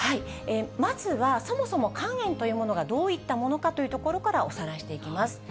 まずはそもそも肝炎というものがどういったものかというところからおさらいしていきます。